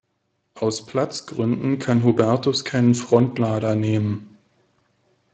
Aus Platzgründen kann Hubertus keinen Frontlader nehmen.